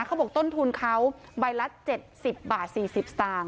เขาบอกต้นทุนเขาใบละ๗๐บาท๔๐สตางค์